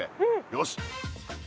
よし！